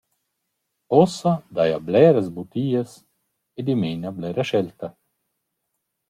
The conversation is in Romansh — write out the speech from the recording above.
«Uossa daja bleras butias e dimena blera schelta.»